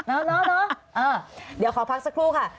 เนาะเดี๋ยวขอพักสักครู่ค่ะ